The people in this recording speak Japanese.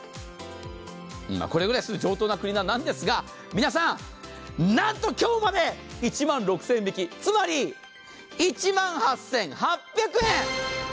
これぐらいする上等なクリーナーなんですが、皆さん、なんと今日まで１万６０００円引き、つまり１万８８００円！